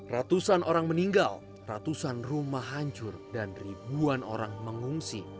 ratusan orang meninggal ratusan rumah hancur dan ribuan orang mengungsi